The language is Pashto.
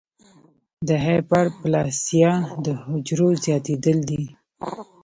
د هایپرپلاسیا د حجرو زیاتېدل دي.